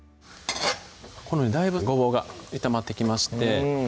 このようにだいぶごぼうが炒まってきまして